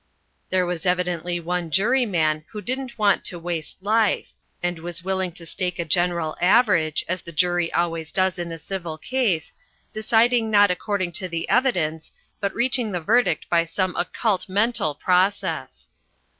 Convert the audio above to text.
There was evidently one jury man who didn't want to waste life, and was willing to stake a general average, as the jury always does in a civil case, deciding not according to the evidence but reaching the verdict by some occult mental process.